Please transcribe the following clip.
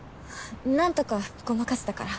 何とかごまかしたから。